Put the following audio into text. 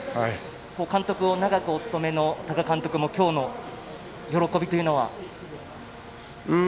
監督を長くお務めの多賀監督も今日の喜びというのは。